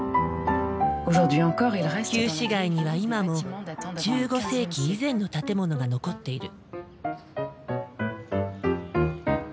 旧市街には今も１５世紀以前の建物が残っている。